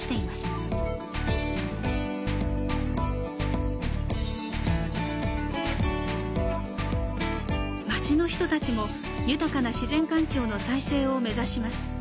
まちの人たちも豊かな自然環境の再生を目指します。